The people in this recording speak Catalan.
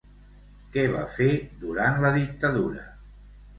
Què va fer durant la dictadura?